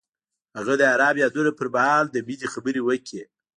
هغه د آرام یادونه پر مهال د مینې خبرې وکړې.